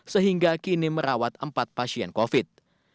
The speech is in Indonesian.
sehingga kini merawat empat pasien covid